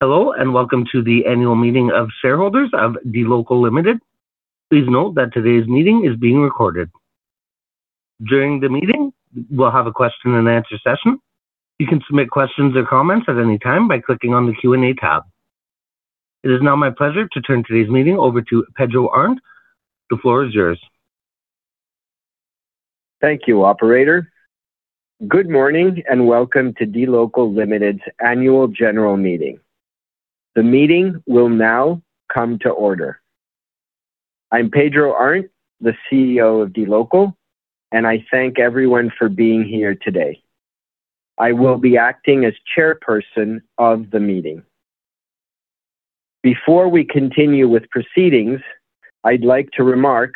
Hello, and welcome to the annual meeting of shareholders of dLocal Limited. Please note that today's meeting is being recorded. During the meeting, we'll have a question-and-answer session. You can submit questions or comments at any time by clicking on the Q&A tab. It is now my pleasure to turn today's meeting over to Pedro Arnt. The floor is yours. Thank you, Operator. Good morning and welcome to dLocal Limited's annual general meeting. The meeting will now come to order. I'm Pedro Arnt, the CEO of dLocal, and I thank everyone for being here today. I will be acting as chairperson of the meeting. Before we continue with proceedings, I'd like to remark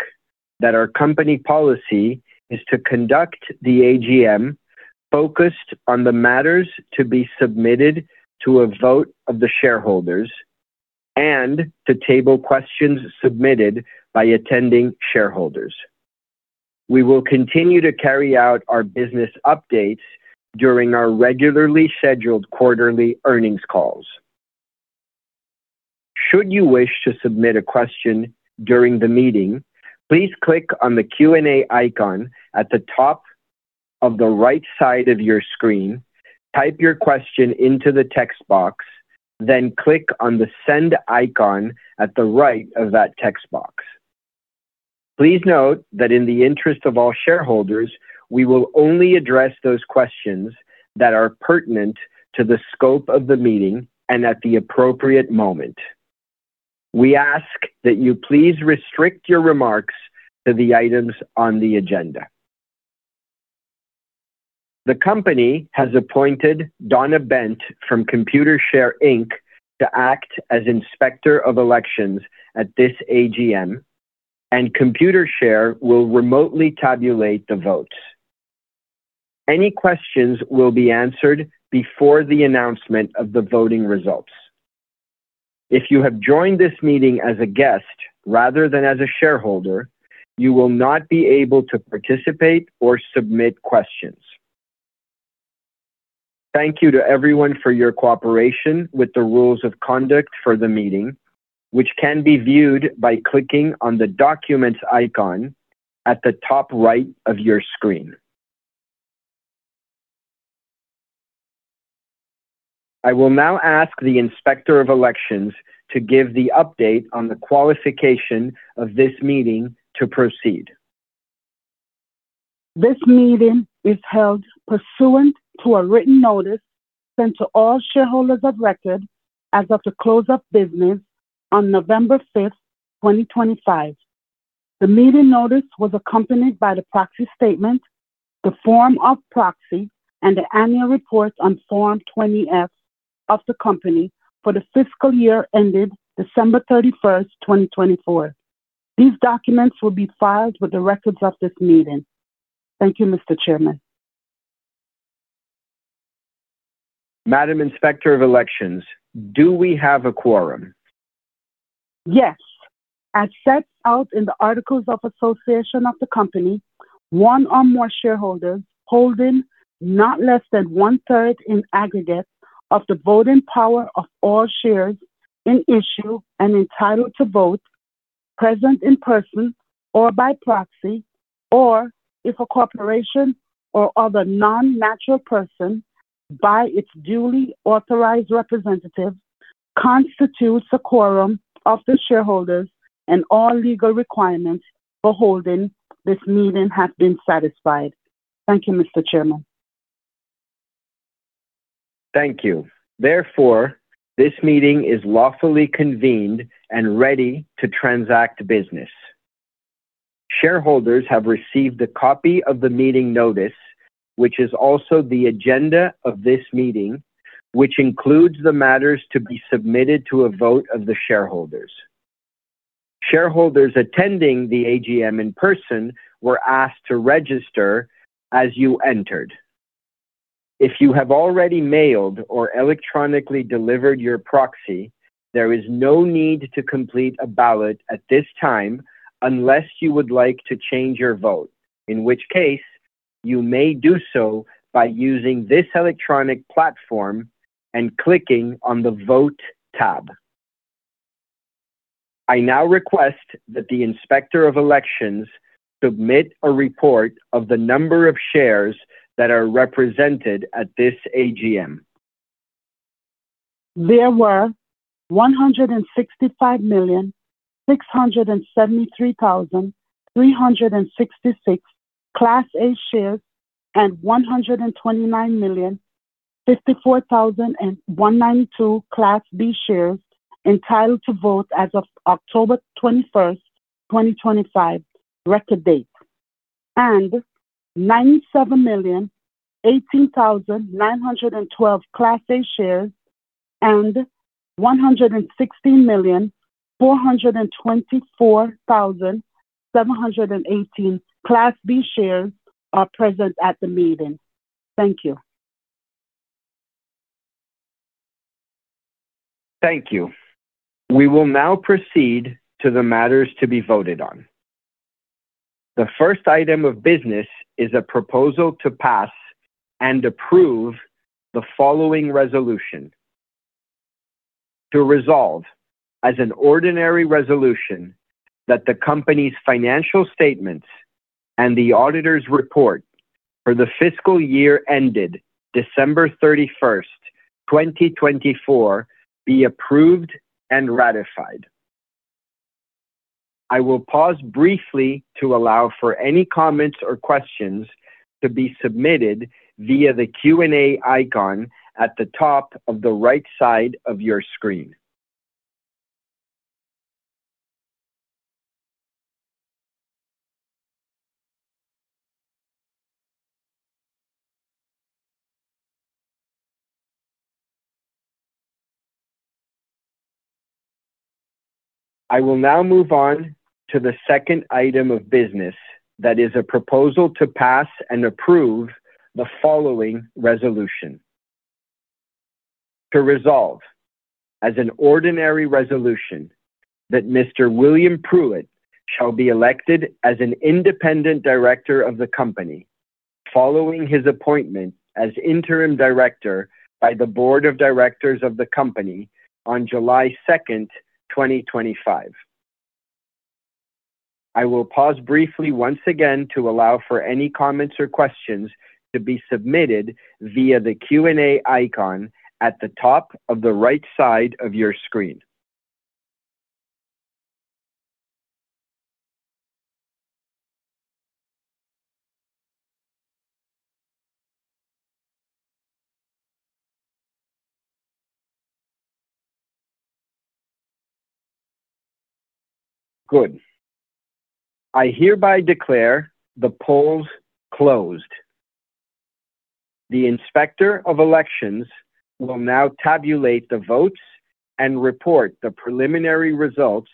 that our company policy is to conduct the AGM focused on the matters to be submitted to a vote of the shareholders and to table questions submitted by attending shareholders. We will continue to carry out our business updates during our regularly scheduled quarterly earnings calls. Should you wish to submit a question during the meeting, please click on the Q&A icon at the top of the right side of your screen, type your question into the text box, then click on the Send icon at the right of that text box. Please note that in the interest of all shareholders, we will only address those questions that are pertinent to the scope of the meeting and at the appropriate moment. We ask that you please restrict your remarks to the items on the agenda. The company has appointed Donna Bent from Computershare to act as inspector of elections at this AGM, and Computershare will remotely tabulate the votes. Any questions will be answered before the announcement of the voting results. If you have joined this meeting as a guest rather than as a shareholder, you will not be able to participate or submit questions. Thank you to everyone for your cooperation with the rules of conduct for the meeting, which can be viewed by clicking on the Documents icon at the top right of your screen. I will now ask the inspector of elections to give the update on the qualification of this meeting to proceed. This meeting is held pursuant to a written notice sent to all shareholders of record as of the close of business on November 5th, 2025. The meeting notice was accompanied by the proxy statement, the form of proxy, and the annual report on Form 20-F of the company for the fiscal year ended December 31st, 2024. These documents will be filed with the records of this meeting. Thank you, Mr. Chairman. Madam Inspector of Elections, do we have a quorum? Yes. As set out in the Articles of Association of the company, one or more shareholders holding not less than one-third in aggregate of the voting power of all shares in issue and entitled to vote, present in person or by proxy, or if a corporation or other non-natural person, by its duly authorized representative, constitutes a quorum of the shareholders and all legal requirements for holding this meeting has been satisfied. Thank you, Mr. Chairman. Thank you. Therefore, this meeting is lawfully convened and ready to transact business. Shareholders have received a copy of the meeting notice, which is also the agenda of this meeting, which includes the matters to be submitted to a vote of the shareholders. Shareholders attending the AGM in person were asked to register as you entered. If you have already mailed or electronically delivered your proxy, there is no need to complete a ballot at this time unless you would like to change your vote, in which case you may do so by using this electronic platform and clicking on the Vote tab. I now request that the inspector of elections submit a report of the number of shares that are represented at this AGM. There were 165,673,366 Class A shares and 129,054,192 Class B shares entitled to vote as of October 21st, 2025, record date, and 97,018,912 Class A shares and 116,424,718 Class B shares are present at the meeting. Thank you. Thank you. We will now proceed to the matters to be voted on. The first item of business is a proposal to pass and approve the following resolution: to resolve, as an ordinary resolution, that the company's financial statements and the auditor's report for the fiscal year ended December 31st, 2024, be approved and ratified. I will pause briefly to allow for any comments or questions to be submitted via the Q&A icon at the top of the right side of your screen. I will now move on to the second item of business that is a proposal to pass and approve the following resolution: to resolve, as an ordinary resolution, that Mr. William Pruitt shall be elected as an independent director of the company following his appointment as interim director by the board of directors of the company on July 2nd, 2025. I will pause briefly once again to allow for any comments or questions to be submitted via the Q&A icon at the top of the right side of your screen. Good. I hereby declare the polls closed. The inspector of elections will now tabulate the votes and report the preliminary results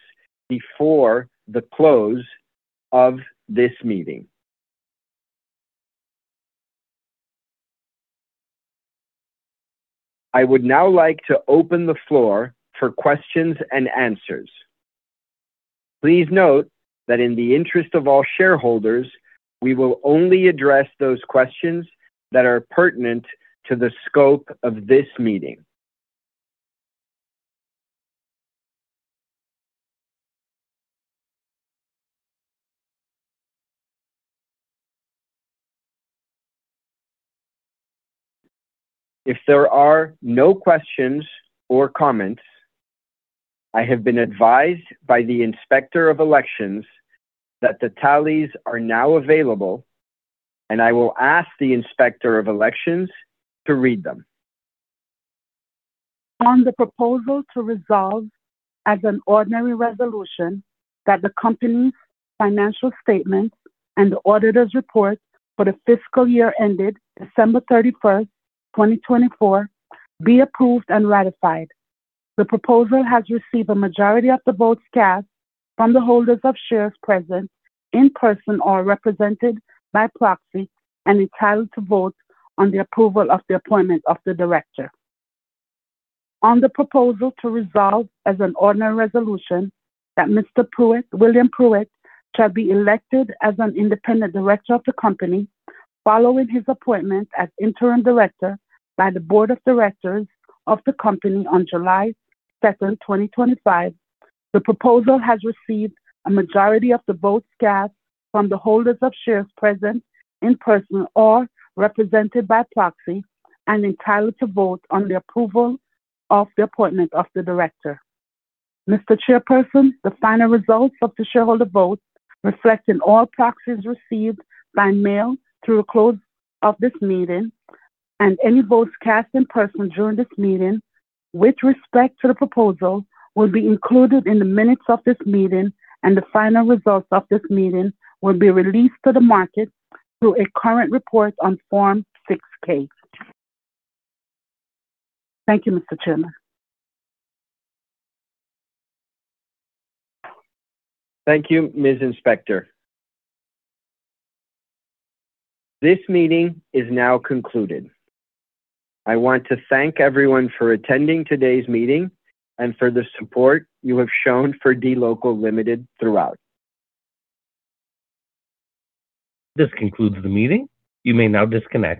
before the close of this meeting. I would now like to open the floor for questions and answers. Please note that in the interest of all shareholders, we will only address those questions that are pertinent to the scope of this meeting. If there are no questions or comments, I have been advised by the inspector of elections that the tallies are now available, and I will ask the inspector of elections to read them. On the proposal to resolve, as an ordinary resolution, that the company's financial statements and the auditor's report for the fiscal year ended December 31st, 2024, be approved and ratified. The proposal has received a majority of the votes cast from the holders of shares present in person or represented by proxy and entitled to vote on the approval of the appointment of the director. On the proposal to resolve, as an ordinary resolution, that Mr. William Pruitt shall be elected as an independent director of the company following his appointment as interim director by the board of directors of the company on July 2nd, 2025, the proposal has received a majority of the votes cast from the holders of shares present in person or represented by proxy and entitled to vote on the approval of the appointment of the director. Mr. Chairperson, the final results of the shareholder votes reflect in all proxies received by mail through the close of this meeting, and any votes cast in person during this meeting with respect to the proposal will be included in the minutes of this meeting, and the final results of this meeting will be released to the market through a current report on Form 6-K. Thank you, Mr. Chairman. Thank you, Ms. Inspector. This meeting is now concluded. I want to thank everyone for attending today's meeting and for the support you have shown for dLocal Limited throughout. This concludes the meeting. You may now disconnect.